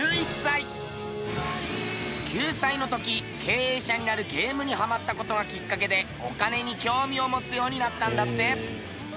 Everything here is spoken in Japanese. ９歳の時経営者になるゲームにハマった事がきっかけでお金に興味を持つようになったんだって。